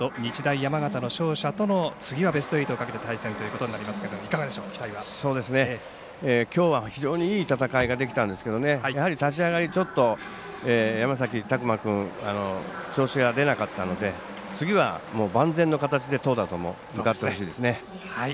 山形の勝者との次はベスト８をかけての戦いとなりますがきょうは非常にいい戦いができたんですけど立ち上がり、ちょっと山崎琢磨君調子が出なかったので次は万全の形で投打とも向かってほしいですね。